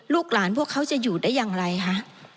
ลูกหลานพวกเขาจะอยู่ได้อย่างไรคะ